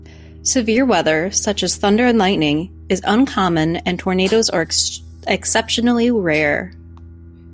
Severe weather, such as thunder and lightning, is uncommon and tornadoes are exceptionally rare.